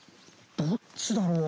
どっちだろう？